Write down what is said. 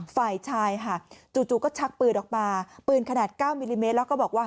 ฝ่ายชายค่ะจู่ก็ชักปืนออกมาปืนขนาด๙มิลลิเมตรแล้วก็บอกว่า